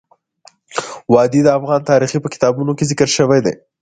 وادي د افغان تاریخ په کتابونو کې ذکر شوی دي.